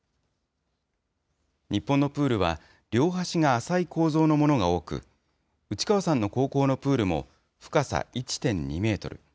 日本のプールは、両端が浅い構造のものが多く、内川さんの高校のプールも深さ１．２メートル。